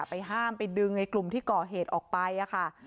ไปห้ามไปดึงกลุ่มที่เกาะเหตุออกไปอ่ะค่ะ